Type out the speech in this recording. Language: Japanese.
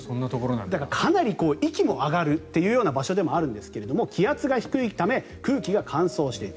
だから、かなり息も上がる場所ではあるんですが気圧が低いため空気が乾燥している。